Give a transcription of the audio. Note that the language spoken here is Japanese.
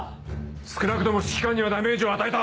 少なくとも指揮官にはダメージを与えた！